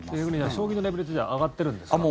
将棋のレベルって上がってるんですか？